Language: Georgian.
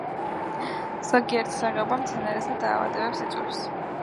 ზოგიერთი სახეობა მცენარეთა დაავადებებს იწვევს.